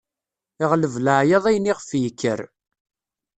Iɣleb leɛyaḍ ayen iɣef yekker.